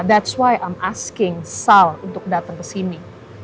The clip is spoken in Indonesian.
itulah kenapa aku meminta sal untuk datang ke sini